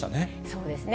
そうですね。